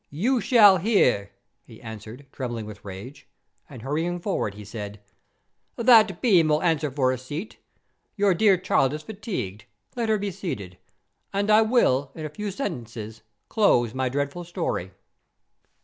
You shall hear," he answered, trembling with rage. And hurrying forward he said: "That beam will answer for a seat; your dear child is fatigued; let her be seated, and I will, in a few sentences, close my dreadful story."